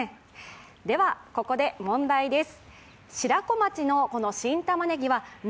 では、ここで問題です。